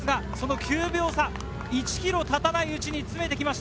９秒差、１ｋｍたたないうちに詰めてきました。